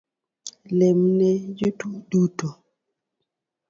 Lemne jotuo duto